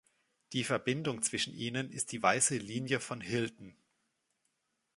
Die Verbindung zwischen ihnen ist die weiße Linie von Hilton.